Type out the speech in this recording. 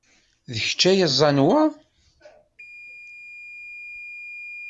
D kečč ay yeẓẓan wa?